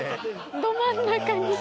ど真ん中に。